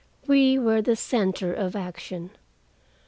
We were the center of action.